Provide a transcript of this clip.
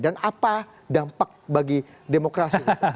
dan apa dampak bagi demokrasi